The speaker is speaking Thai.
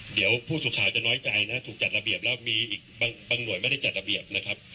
เดี๋ยวผู้สื่อข่าวจะน้อยใจนะถูกจัดระเบียบแล้วมีอีกบางหน่วยไม่ได้จัดระเบียบนะครับ